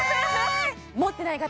持ってない方